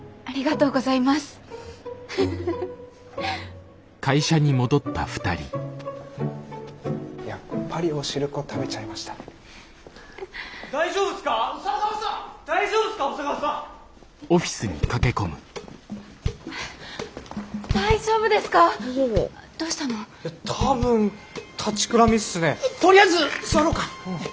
とりあえず座ろうか。